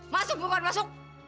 masuk bukan masuk